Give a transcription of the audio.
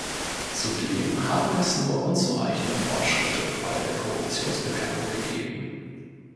Zudem habe es nur unzureichende Fortschritte bei der Korruptionsbekämpfung gegeben.